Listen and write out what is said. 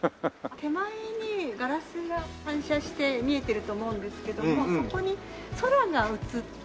手前にガラスが反射して見えてると思うんですけどもそこに空が映って。